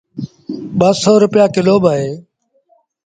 ٻآسو رپيآ ڪلو با اهي۔